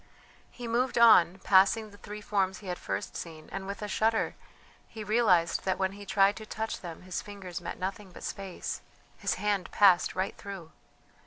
He moved on, passing the three forms he had first seen, and with a shudder he realized that when he tried to touch them his fingers met nothing but space his hand passed right through!